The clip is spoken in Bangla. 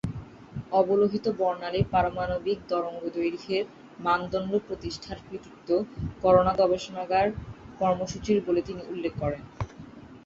অবলোহিত বর্ণালির পারমাণবিক তরঙ্গদৈর্ঘ্যের মানদণ্ড প্রতিষ্ঠার কৃতিত্ব, করোনা গবেষণাগার কর্মসূচি’র বলে তিনি উল্লেখ করেন।